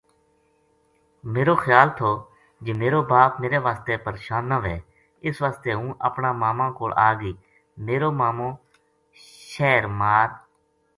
میرو خیال تھو جے میرو باپ میرے واسطے پرشان نہ وھے اس واسطے ہوں اپنا ما ما کول آ گئی میرو مامو شہر ما ر